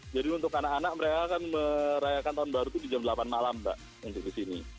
jadi untuk anak anak mereka akan merayakan tahun baru itu di jam delapan malam mbak untuk di sini